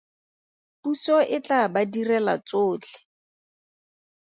Puso e tla ba direla tsotlhe.